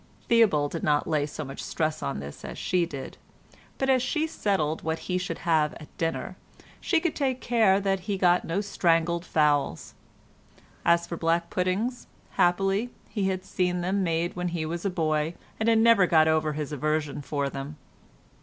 Theobald did not lay so much stress on this as she did, but as she settled what he should have at dinner she could take care that he got no strangled fowls; as for black puddings, happily, he had seen them made when he was a boy, and had never got over his aversion for them.